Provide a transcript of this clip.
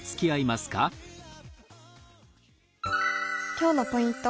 今日のポイント。